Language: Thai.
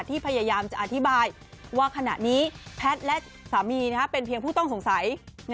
พยายามจะอธิบายว่าขณะนี้แพทย์และสามีเป็นเพียงผู้ต้องสงสัย